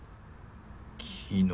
昨日。